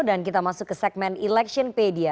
dan kita masuk ke segmen electionpedia